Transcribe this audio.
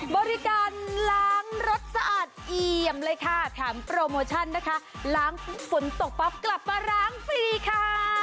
บริการล้างรถสะอาดเอี่ยมเลยค่ะแถมโปรโมชั่นนะคะล้างฝนตกปั๊บกลับมาล้างฟรีค่ะ